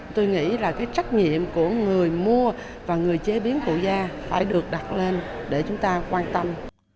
tôi nghĩ là cái trách nhiệm của người mua và người chế biến của gia phải được đặt lên để chúng ta quan tâm